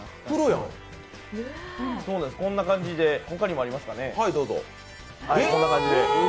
こんな感じで、他にもありますかね。